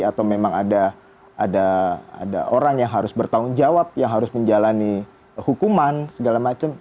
atau memang ada orang yang harus bertanggung jawab yang harus menjalani hukuman segala macam